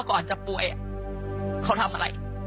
ขอบคุณครับ